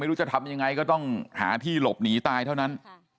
จะทำยังไงก็ต้องหาที่หลบหนีตายเท่านั้น